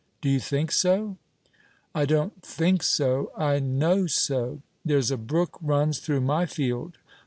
"Do you think so?" "I don't think so I know so. There's a brook runs through my field.